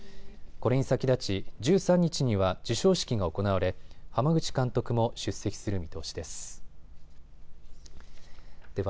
これに先立ち１３日には授賞式が行われ、濱口監督も出席する見通しです。